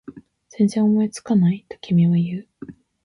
全然思いつかない？と君は言う